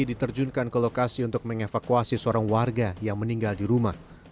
diterjunkan ke lokasi untuk mengevakuasi seorang warga yang meninggal di rumah